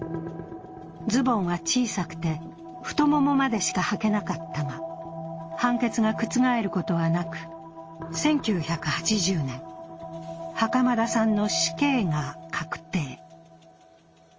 ズボンは小さくて太ももまでしかはけなかったが、判決が覆ることはなく、１９８０年、袴田さんの死刑が確定。